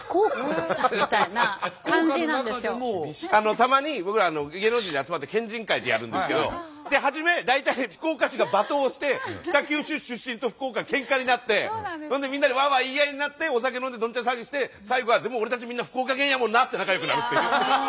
たまに僕ら芸能人で集まって県人会ってやるんですけど初め大体福岡市が罵倒して北九州出身と福岡ケンカになってみんなでワーワー言い合いになってお酒飲んでどんちゃん騒ぎして最後はでも俺たちみんな福岡県やもんなって仲良くなるっていう。